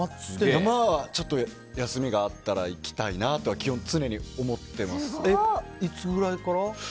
山はちょっと休みがあったら行きたいなとは、基本常にいつぐらいから？